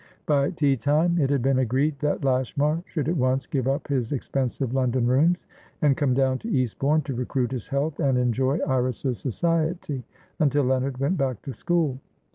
By tea time, it had been agreed that Lashmar should at once give up his expensive London rooms, and come down to Eastbourne, to recruit his health and enjoy Iris's society, until Leonard went back to school.